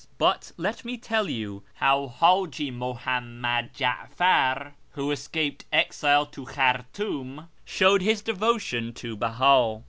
But let me tell you how Haji Muhammad Ja'far, who escaped exile to Khartoum, showed his devotion to Behii.